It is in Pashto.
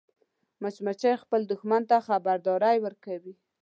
مچمچۍ خپل دښمن ته خبرداری ورکوي